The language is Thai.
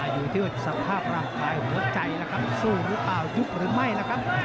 อยู่ที่สภาพร่ำภายหัวใจนะครับสู้รึเปล่ายุบหรือไม่นะครับ